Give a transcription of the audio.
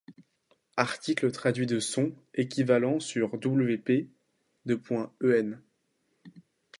Article traduit de son équivalent sur wp:en.